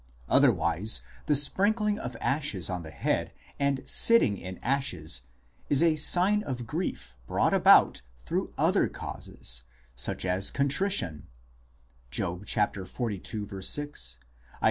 Otherwise the sprinkling of ashes on the head and sitting in ashes is a sign of grief brought about through other causes, such as contrition (Job xlii.